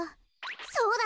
そうだ！